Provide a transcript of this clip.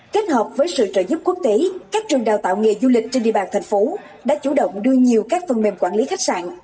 kết hợp với sự trợ giúp quốc tế các trường đào tạo nghề du lịch trên địa bàn thành phố đã chủ động đưa nhiều các phần mềm quản lý khách sạn